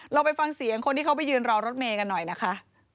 เราไปฟังเสียงคนที่เขาไปยืนรอรถเมย์กันหน่อยนะคะ